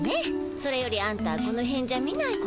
それよりあんたこのへんじゃ見ない子だね。